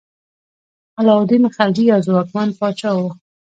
علاء الدین خلجي یو ځواکمن پاچا و.